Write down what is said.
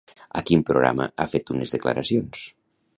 A quin programa ha fet unes declaracions?